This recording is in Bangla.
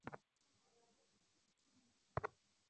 আর তারপর, হঠাৎ, আমি একটা আলোর ঝলকানি দেখলাম।